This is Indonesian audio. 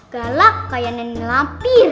galak kayak neni lampir